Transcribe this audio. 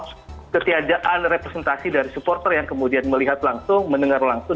termasuk salah satunya adalah soal ketiajaan representasi dari supporter yang kemudian melihat langsung mendengar langsung